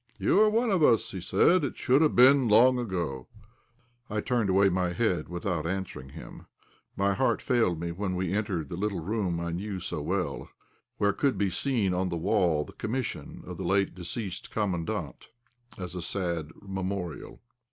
"You are one of us," said he; "it should have been long ago." I turned away my head without answering him. My heart failed me when we entered the little room I knew so well, where could still be seen on the wall the commission of the late deceased Commandant, as a sad memorial.